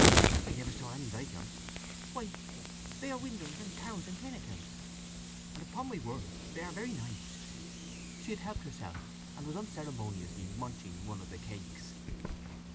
"I never saw any like 'em. Why, they are windows and towers, and pinnacles! And upon my word they are very nice." She had helped herself, and was unceremoniously munching one of the cakes.